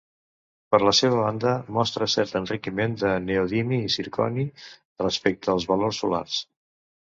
Per la seva banda, mostra cert enriquiment en neodimi i zirconi respecte als valors solars.